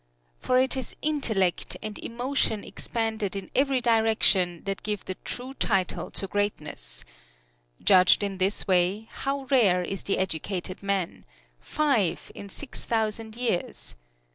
For it is intellect and emotion expanded in every direction that give the true title to greatness. Judged in this way, how rare is the educated man five in six thousand years!